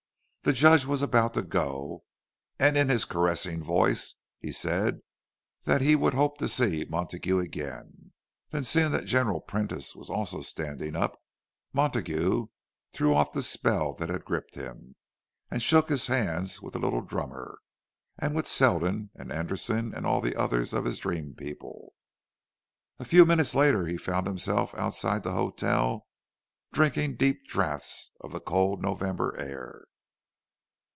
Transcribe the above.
The Judge was about to go, and in his caressing voice he said that he would hope to see Montague again. Then, seeing that General Prentice was also standing up, Montague threw off the spell that had gripped him, and shook hands with the little drummer, and with Selden and Anderson and all the others of his dream people. A few minutes later he found himself outside the hotel, drinking deep draughts of the cold November air.